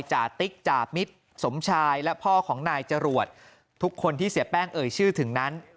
จติ๊กจ่ามิตรสมชายและพ่อของนายจรวดทุกคนที่เสียแป้งเอ่ยชื่อถึงนั้น